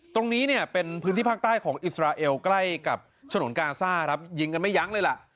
ตรงนี้เนี่ยเป็นพื้นที่ภาคใต้ของอิสราเอลใกล้กับฉนวนกาซ่าครับยิงกันไม่ยั้งเลยล่ะ